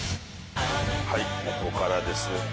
はいここからです。